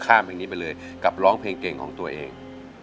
ข้ามเพลงนี้ไปเลยกับร้องเพลงเก่งของตัวเอง